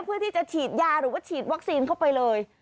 เพื่อที่จะฉีดยาหรือว่าฉีดวัคซีนเข้าไปเลย